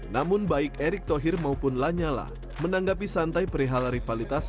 namun baik erick thohir maupun lanyala menanggapi santai perihal rivalitas